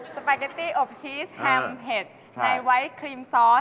สปาเกตตี้อบชีสแฮมเผ็ดในไวท์ครีมซอส